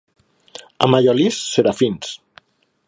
A Mallolís, serafins.